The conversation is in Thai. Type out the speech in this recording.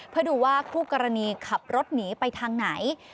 เพื่อดูว่าคู่กรณีขับรถหนีไปทางไหน